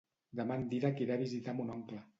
Demà en Dídac irà a visitar mon oncle.